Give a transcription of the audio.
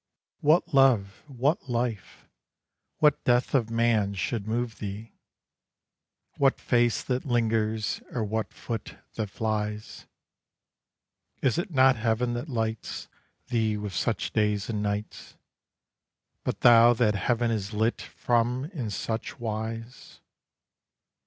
What love, what life, what death of man's should move thee, What face that lingers or what foot that flies? It is not heaven that lights Thee with such days and nights, But thou that heaven is lit from in such wise.